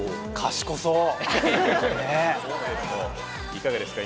いかがですか？